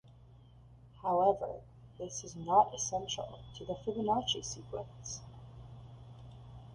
However, this is not essential to the Fibonacci example.